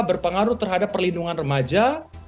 berpengaruh terhadap perlindungan remaja